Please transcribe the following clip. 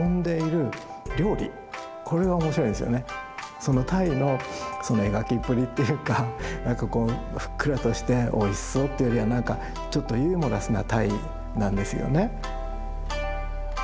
その鯛の描きっぷりっていうか何かこうふっくらとしておいしそうっていうよりは何かちょっとユーモラスな鯛なんですよね。